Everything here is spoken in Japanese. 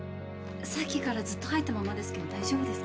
さっきからずっと入ったままですけど大丈夫ですか？